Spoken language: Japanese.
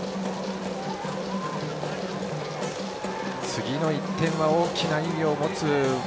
次の１点は大きな意味を持つ。